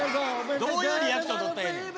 どういうリアクション取ったらええねん